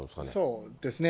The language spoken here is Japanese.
そうですね。